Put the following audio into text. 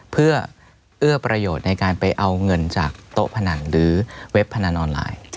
เพื่อเอื้อประโยชน์ในการไปเอาเงินจากโต๊ะพนันหรือเว็บพนันออนไลน์